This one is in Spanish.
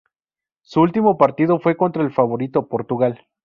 Su último partido fue contra el favorito, Portugal.